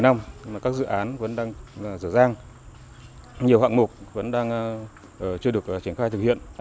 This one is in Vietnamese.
nhưng các dự án vẫn đang dở dang nhiều hạng mục vẫn chưa được triển khai thực hiện